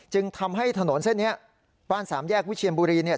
จึงทำให้ถนนเส้นนี้บ้านสามแยกวิเชียนบุรีเนี่ย